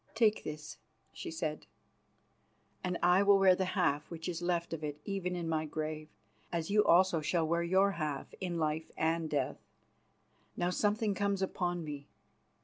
"Take this," she said, "and I will wear the half which is left of it even in my grave, as you also shall wear your half in life and death. Now something comes upon me.